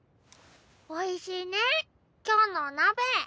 おいしいね今日のお鍋。